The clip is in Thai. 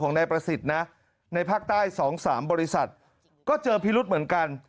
นายประสิทธิ์นะในภาคใต้๒๓บริษัทก็เจอพิรุธเหมือนกัน